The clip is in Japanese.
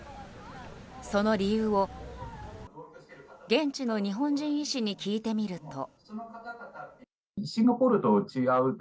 その理由を、現地の日本人医師に聞いてみると。